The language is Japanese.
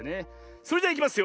それじゃいきますよ。